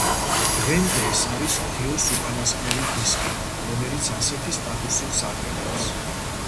დღემდე ეს არის დიოს უკანასკნელი დისკი, რომელიც ასეთი სტატუსით სარგებლობს.